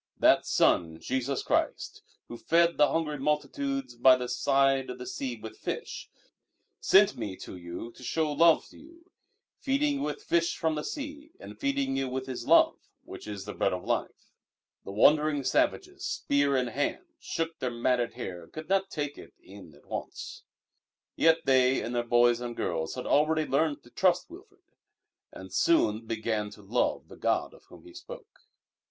That Son, Jesus Christ, Who fed the hungry multitudes by the side of the sea with fish, sent me to you to show love to you, feeding you with fish from the sea, and feeding you with His love, which is the Bread of Life." The wondering savages, spear in hand, shook their matted hair and could not take it in at once. Yet they and their boys and girls had already learned to trust Wilfrid, and soon began to love the God of Whom he spoke.